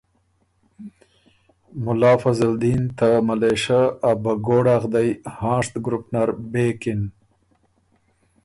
مُلا فضلدین ته ملېشۀ ا بهګوړا غدئ هانشت ګروپ نر بېکِن